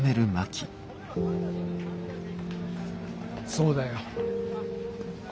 そうだよ。